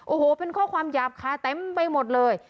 โอ้โหเป็นข้อความหยาบคาเต็มไปหมดเลย